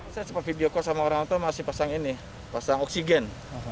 saya sempat video call sama orang tua masih pasang ini pasang oksigen